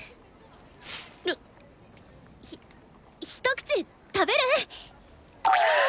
ひ一口食べる？